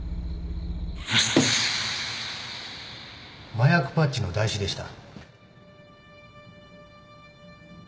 麻薬パッチの台紙でした